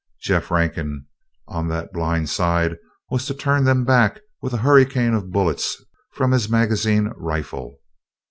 Jeff Rankin on that blind side was to turn them back with a hurricane of bullets from his magazine rifle.